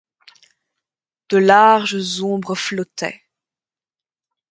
De larges ombres flottaient.